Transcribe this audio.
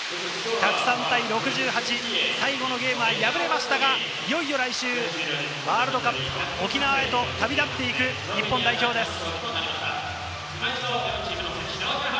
１０３対６８、最後のゲームは敗れましたが、いよいよ来週、ワールドカップ沖縄へと旅立っていく日本代表です。